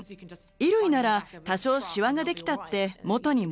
衣類なら多少シワができたって元に戻ります。